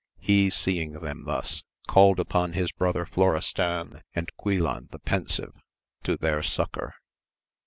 He seeing them thus, called upon his brother Florestan, and Guilan the Pensive, to their succour.